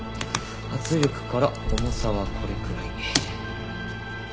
圧力から重さはこれくらい。